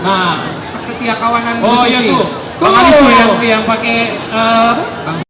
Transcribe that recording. nah setiap kawan kawan yang pakai